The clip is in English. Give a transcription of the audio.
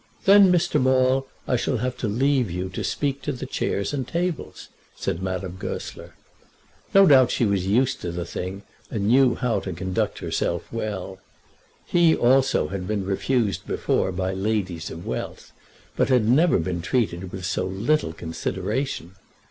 "Then, Mr. Maule, I shall have to leave you to speak to the chairs and tables," said Madame Goesler. No doubt she was used to the thing, and knew how to conduct herself well. He also had been refused before by ladies of wealth, but had never been treated with so little consideration.